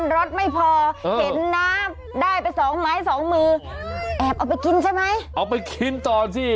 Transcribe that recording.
เรียกจ้าตัวนี่